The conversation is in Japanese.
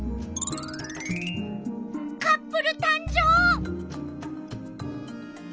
カップルたん生！